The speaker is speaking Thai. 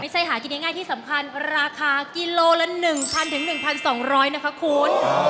ไม่ใช่หาจิตงี้ง่ายที่สำคัญราคากิโลละ๑๐๐๐๑๒๐๐นะคะคุณ